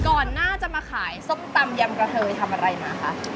ก่อนหน้าจะมาขายส้มตำยำกระเทยทำอะไรมาคะ